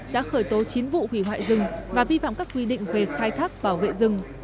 đã khởi tố chín vụ hủy hoại rừng và vi phạm các quy định về khai thác bảo vệ rừng